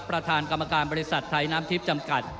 ประธานกรรมการบริษัทไทยน้ำทิพย์จำกัด